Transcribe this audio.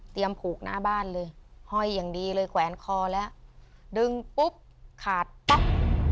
ผูกหน้าบ้านเลยห้อยอย่างดีเลยแขวนคอแล้วดึงปุ๊บขาดปั๊บ